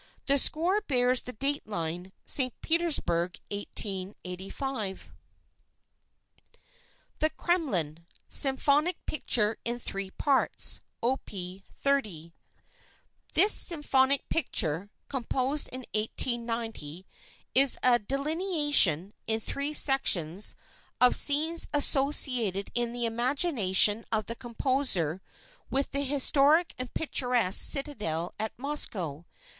The score bears the date line: "St. Petersburg, 1885." "THE KREMLIN," SYMPHONIC PICTURE IN THREE PARTS: Op. 30 This "symphonic picture" (composed in 1890) is a delineation, in three sections, of scenes associated in the imagination of the composer with the historic and picturesque citadel at Moscow.